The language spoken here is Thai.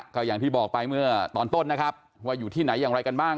ก็อย่างที่บอกไปเมื่อตอนต้นนะครับว่าอยู่ที่ไหนอย่างไรกันบ้าง